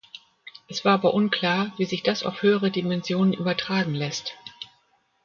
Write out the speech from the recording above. Es war aber unklar wie sich das auf höhere Dimensionen übertragen lässt.